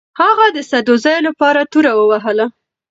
هغه د سدوزیو لپاره توره ووهله.